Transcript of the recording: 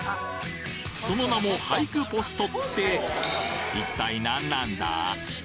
その名も俳句ポストって一体何なんだ？